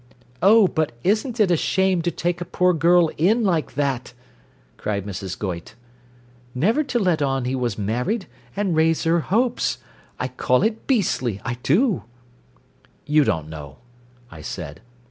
"Oh, but isn't it a shame to take a poor girl in like that!" cried Mrs. Goyte. "Never to let on that he was married, and raise her hopes I call it beastly, I do." "You don't know," I said.